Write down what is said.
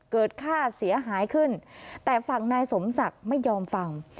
เกิดค่าเสียหายขึ้นแต่ฝั่งนายสมศักดิ์ไม่ยอมฟัง